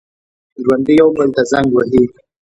ژوندي یو بل ته زنګ وهي